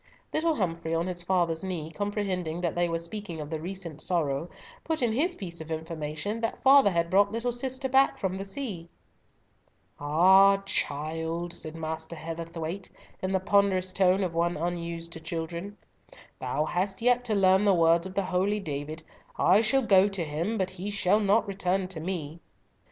Little Humfrey, on his father's knee, comprehending that they were speaking of the recent sorrow, put in his piece of information that "father had brought little sister back from the sea." "Ah, child!" said Master Heatherthwayte, in the ponderous tone of one unused to children, "thou hast yet to learn the words of the holy David, 'I shall go to him, but he shall not return to me.'"